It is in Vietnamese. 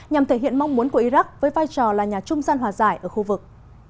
nhằm thể hiện mong muốn của iraq với vai trò là nhà trung gian hòa giải ở khu vực